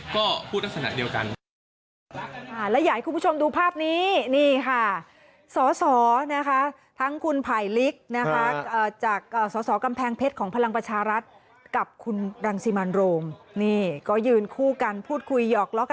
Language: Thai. ก็พูดกับเราชัดเจนว่าเขาก็จะแก้รับมนุนนะ